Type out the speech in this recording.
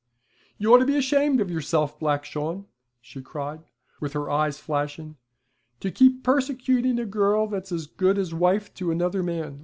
'You ought to be ashamed of yourself, Black Shawn,' she cried, with her eyes flashing, 'to keep persecuting a girl that's as good as wife to another man.